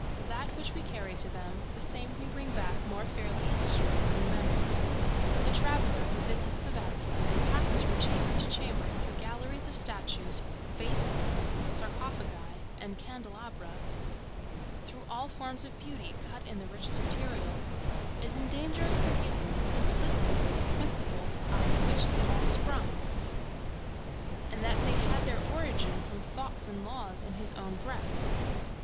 That which we carry to them, the same we bring back more fairly illustrated in the memory. The traveller who visits the Vatican, and passes from chamber to chamber through galleries of statues, vases, sarcophagi and candelabra, through all forms of beauty cut in the richest materials, is in danger of forgetting the simplicity of the principles out of which they all sprung, and that they had their origin from thoughts and laws in his own breast.